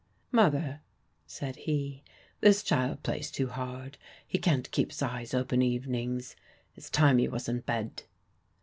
"Mother," said he, "this child plays too hard. He can't keep his eyes open evenings. It's time he was in bed."